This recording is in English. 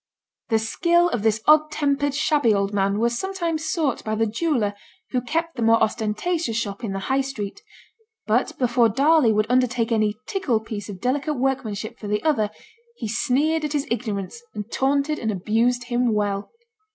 The skill of this odd tempered, shabby old man was sometimes sought by the jeweller who kept the more ostentatious shop in the High Street; but before Darley would undertake any 'tickle' piece of delicate workmanship for the other, he sneered at his ignorance, and taunted and abused him well.